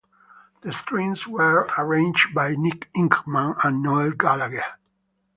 The strings were arranged by Nick Ingman and Noel Gallagher.